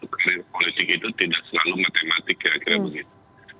karir politik itu tidak selalu matematik kira kira begitu